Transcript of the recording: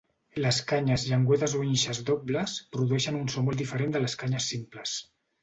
Les canyes, llengüetes o inxes dobles, produeixen un so molt diferent de les canyes simples.